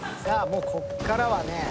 さあもうこっからはね。